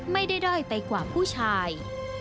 ไม่ได้ด้อยไปกว่าผู้ชาย